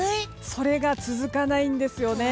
それが続かないんです。